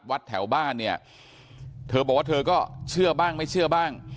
วัดแถวบ้านเนี่ยเธอบอกว่าเธอก็เชื่อบ้างไม่เชื่อบ้าง